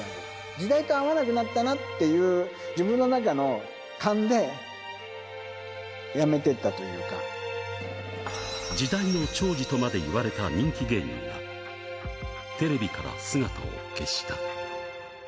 時代と合わなくなったなという、自分の中の勘で、時代のちょうじとまで言われた人気芸人が、テレビから姿を消した。